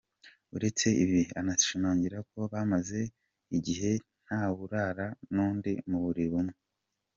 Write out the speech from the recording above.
Uretse ibi, anashimangira ko bamaze igihe ntawurarana n’undi mu buriri bumwe.